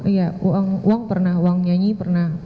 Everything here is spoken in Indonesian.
iya uang pernah uang nyanyi pernah